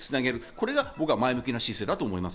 これが前向きな姿勢だと僕は思います。